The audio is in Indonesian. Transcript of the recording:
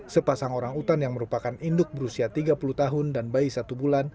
sepasang orang utan yang merupakan induk berusia tiga puluh tahun dan bayi satu bulan